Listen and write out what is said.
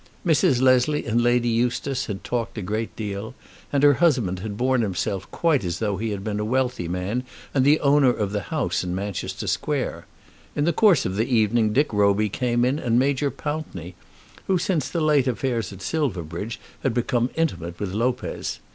Mrs. Leslie and Lady Eustace had talked a great deal, and her husband had borne himself quite as though he had been a wealthy man and the owner of the house in Manchester Square. In the course of the evening Dick Roby came in and Major Pountney, who since the late affairs at Silverbridge had become intimate with Lopez.